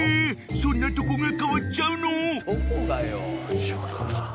そんなとこが変わっちゃうの？］